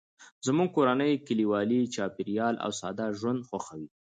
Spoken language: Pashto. زموږ کورنۍ کلیوالي چاپیریال او ساده ژوند خوښوي